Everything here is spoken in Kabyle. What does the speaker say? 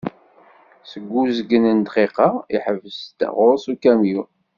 Deg uzgen n dqiqa, iḥbes-d ɣur-s ukamyun.